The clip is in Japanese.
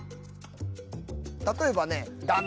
例えばね。